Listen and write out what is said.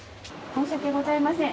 申し訳ございません。